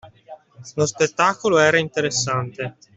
Lo spettacolo era interessante.